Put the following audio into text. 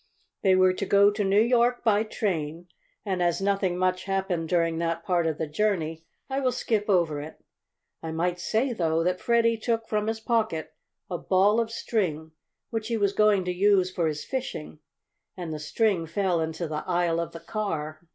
They were to go to New York by train, and as nothing much happened during that part of the journey I will skip over it. I might say, though, that Freddie took from his pocket a ball of string, which he was going to use for his fishing, and the string fell into the aisle of the car.